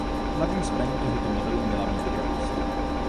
Hlavní zbraní tohoto modelu měla být rychlost.